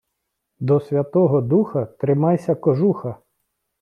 До Святого Духа тримайся кожуха.